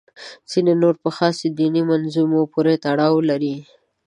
ځینې نور په خاصو دیني منظومو پورې تړاو لري.